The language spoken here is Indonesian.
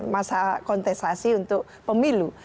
masa kontestasi untuk pemilu